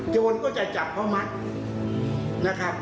โจรก็จะจับเพราะมัดนะครับ